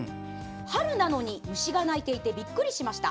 春なのに虫が鳴いていてびっくりしました。